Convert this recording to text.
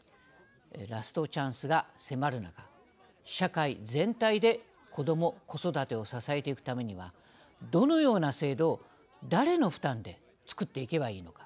ラストチャンスが迫る中社会全体で子ども・子育てを支えていくためにはどのような制度を誰の負担で作っていけばいいのか。